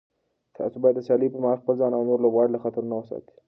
تاسو باید د سیالیو پر مهال خپل ځان او نور لوبغاړي له خطرونو وساتئ.